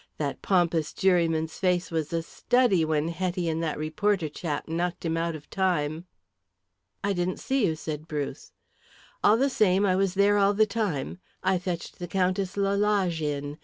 That pompous juryman's face was a study when Hetty and that reporter chap knocked him out of time." "I didn't see you," said Bruce. "All the same I was there all the time. I fetched the Countess Lalage in.